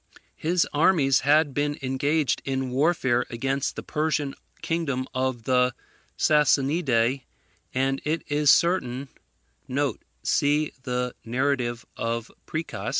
His armies had been engaged in warfare against the Persian kingdom of the Sassanidae; and it is certain [See the narrative of Priscus.